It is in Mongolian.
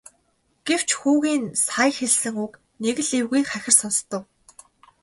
Гэвч хүүгийн нь сая хэлсэн үг нэг л эвгүй хахир сонстов.